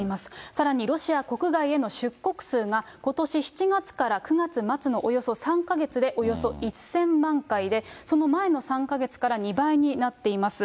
さらにロシア国外への出国数がことし７月から９月末のおよそ３か月でおよそ１０００万回で、その前の３か月から２倍になっています。